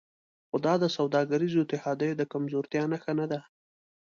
خو دا د سوداګریزو اتحادیو د کمزورتیا نښه نه ده